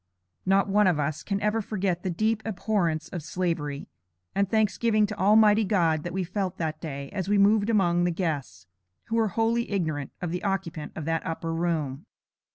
Not one of us can ever forget the deep abhorrence of Slavery, and thanksgiving to Almighty God, that we felt that day as we moved among the guests, who were wholly ignorant of the occupant of that upper room.